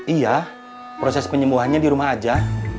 iya proses penyembuhannya di rumah aja